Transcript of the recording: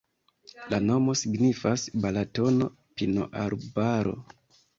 La nomo signifas: Balatono-pinoarbaro.